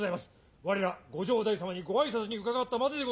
我らご城代様にご挨拶に伺ったまででございます